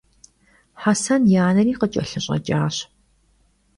Hesen yi aneri khıç'elhış'eç'aş.